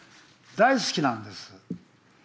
大好きなんです。